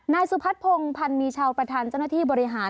นายสุพัฒนพงศ์พันธ์มีชาวประธานเจ้าหน้าที่บริหาร